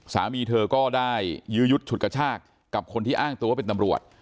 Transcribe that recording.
สามีเธอก็ได้ยื้อยุดฉุดกระชากกับคนที่อ้างตัวว่าเป็นตำรวจ